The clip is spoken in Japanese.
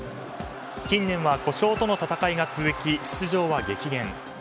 近年は故障との闘いが続き出場は激減。